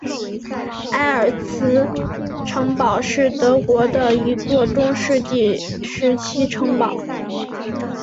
埃尔茨城堡是德国的一座中世纪时期城堡。